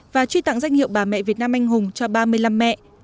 và truy tặng danh hiệu bà mẹ việt nam anh hùng cho ba mươi năm mẹ